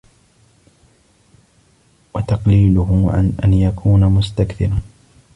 وَتَقْلِيلُهُ عَنْ أَنْ يَكُونَ مُسْتَكْثِرًا